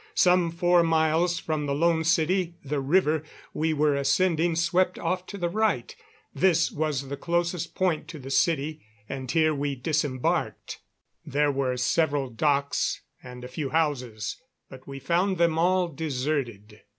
Some four miles from the Lone City the river we were ascending swept off to the right. This was its closest point to the city, and here we disembarked. There were several docks and a few houses, but we found them all deserted.